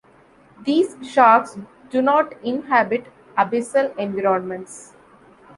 These sharks do not inhabit abyssal environments.